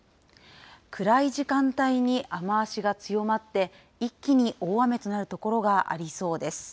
暗い時間帯に雨足が強まって、一気に大雨となる所がありそうです。